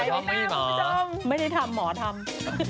สวยเพราะไม่มีหมอไอท์ไม่ได้ทำไม่ได้ทำหมอทำ